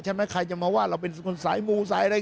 ใช่ไหมใครจะมะว่าเราเป็นคนสายมู